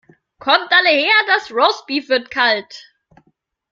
Kommt alle her das Roastbeef wird kalt.